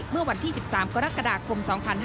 เมื่อวันที่๑๓กรกฎาคม๒๕๕๙